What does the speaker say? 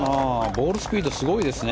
ボールスピードすごいですね。